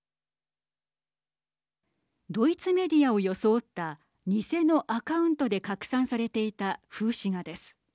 ドイツメディアを装った偽のアカウントで拡散されていた風刺画です。